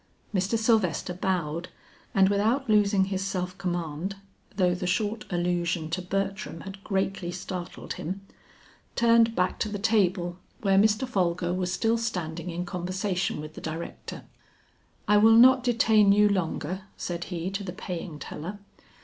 Mr. Sylvester bowed, and without losing his self command, though the short allusion to Bertram had greatly startled him, turned back to the table where Mr. Folger was still standing in conversation with the director. "I will not detain you longer," said he to the paying teller.